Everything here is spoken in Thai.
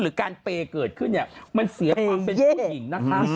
หรือการเปย์เกิดขึ้นเนี่ยมันเสียความเป็นผู้หญิงนะคะ